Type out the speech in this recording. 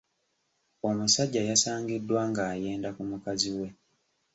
Omusajja yasangiddwa ng'ayenda ku mukazi we.